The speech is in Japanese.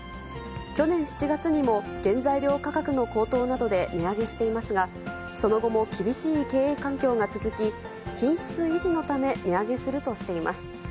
去年７月にも原材料価格の高騰などで値上げしていますが、その後も厳しい経営環境が続き、品質維持のため、値上げするとしています。